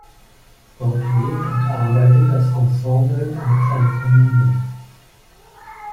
Dort lebt und arbeitet das Ensemble als eine Kommune.